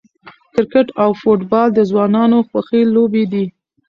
کرکټ او فوټبال د ځوانانو خوښې لوبې دي.